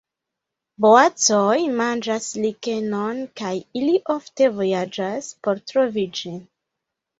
Boacoj manĝas likenon kaj ili ofte vojaĝas por trovi ĝin.